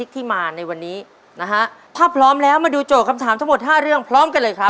ถ้าพร้อมแล้วมาดูโจทย์คำถามทั้งหมด๕เรื่องพร้อมกันเลยครับ